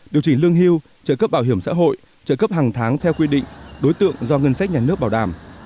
điều chỉnh lương hưu trợ cấp bảo hiểm xã hội trợ cấp hàng tháng theo quy định đối tượng do ngân sách nhà nước bảo đảm